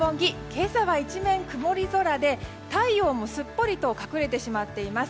今朝は一面曇り空で太陽もすっぽりと隠れてしまっています。